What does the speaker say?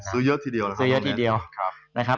เสื้อเยอะทีเดียวนะครับ